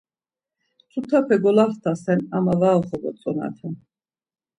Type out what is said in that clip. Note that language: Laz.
Tutape golaxtasen ama var oxobotzonaten.